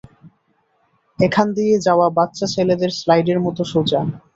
এখান দিয়ে যাওয়া বাচ্চাছেলেদের স্লাইডের মতো সোজা।